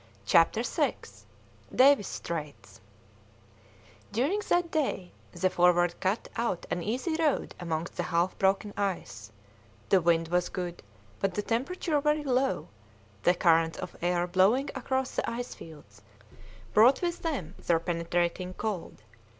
CHAPTER VII DAVIS'S STRAITS During that day the Forward cut out an easy road amongst the half broken ice; the wind was good, but the temperature very low; the currents of air blowing across the ice fields brought with them their penetrating cold.